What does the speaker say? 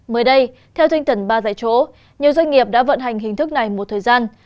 mới đây theo tinh thần ba giải chỗ nhiều doanh nghiệp đã vận hành hình thức này một thời gian